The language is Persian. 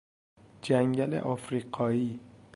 جنگل افریقایی